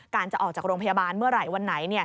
จะออกจากโรงพยาบาลเมื่อไหร่วันไหน